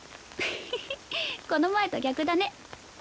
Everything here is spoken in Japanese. フフッこの前と逆だね。